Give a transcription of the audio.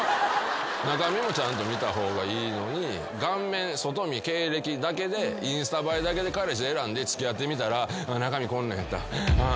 中身もちゃんと見た方がいいのに顔面外見経歴だけでインスタ映えだけで彼氏選んで付き合ってみたら中身こんなんやった。